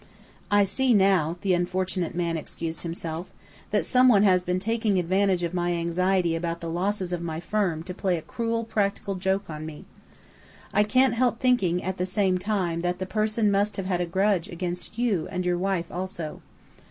"I see now," the unfortunate man excused himself, "that someone has been taking advantage of my anxiety about the losses of my firm to play a cruel practical joke on me. I can't help thinking, at the same time, that the person must have had a grudge against you and your wife also."